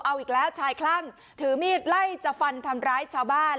เอาอีกแล้วชายคลั่งถือมีดไล่จะฟันทำร้ายชาวบ้าน